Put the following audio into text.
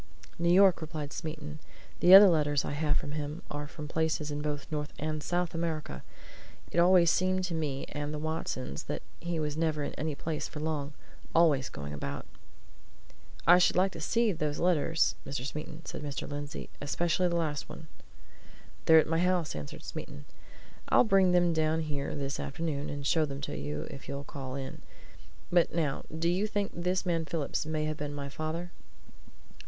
"New York," replied Smeaton. "The other letters I have from him are from places in both North and South America. It always seemed to me and the Watsons that he was never in any place for long always going about." "I should like to see those letters, Mr. Smeaton," said Mr. Lindsey. "Especially the last one." "They're at my house," answered Smeaton. "I'll bring them down here this afternoon, and show them to you if you'll call in. But now do you think this man Phillips may have been my father?"